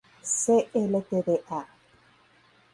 C. Ltda.